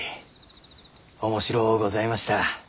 面白うございました。